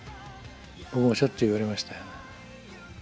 僕もしょっちゅう言われましたよね。